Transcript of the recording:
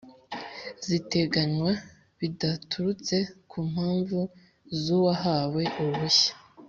ziteganywa bidaturutse ku impamvu z’uwahawe uruhushya;